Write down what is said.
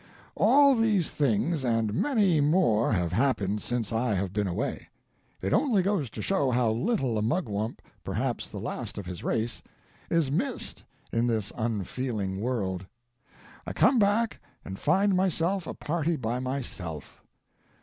] "All these things and many more have happened since I have been away. It only goes to show how little a Mugwump, perhaps the last of his race, is missed in this unfeeling world. I come back and find myself a party by myself.